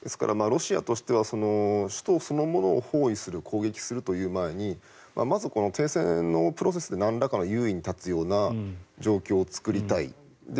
ロシアとしては首都そのものを包囲する、攻撃するという前にまずこの停戦のプロセスでなんらかの優位に立つような状況を作りたい。